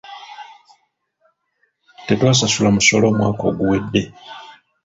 Tetwasasula musolo omwaka oguwedde.